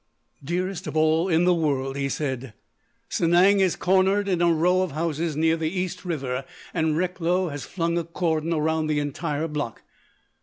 "Dearest of all in the world," he said, "Sanang is cornered in a row of houses near the East River, and Recklow has flung a cordon around the entire block.